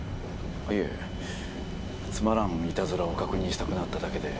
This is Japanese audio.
いえつまらんイタズラを確認したくなっただけで。